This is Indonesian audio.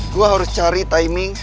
gue harus cari timing